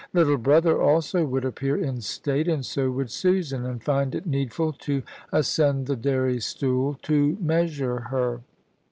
Little brother also would appear in state, and so would Susan, and find it needful to ascend the dairy stool to measure her.